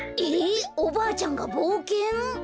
えおばあちゃんがぼうけん！？